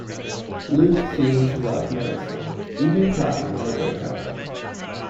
Luke seemed to love Marissa, even crying when they broke up.